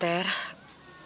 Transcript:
ter beberapa hari yang lalu